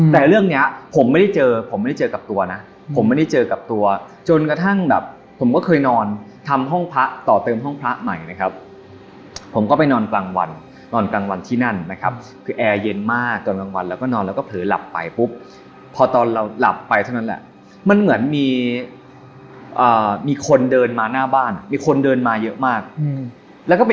แต่เรื่องเนี้ยผมไม่ได้เจอผมไม่ได้เจอกับตัวนะผมไม่ได้เจอกับตัวจนกระทั่งแบบผมก็เคยนอนทำห้องพระต่อเติมห้องพระใหม่นะครับผมก็ไปนอนกลางวันนอนกลางวันที่นั่นนะครับคือแอร์เย็นมากตอนกลางวันแล้วก็นอนแล้วก็เผลอหลับไปปุ๊บพอตอนเราหลับไปเท่านั้นแหละมันเหมือนมีคนเดินมาหน้าบ้านมีคนเดินมาเยอะมากแล้วก็ไป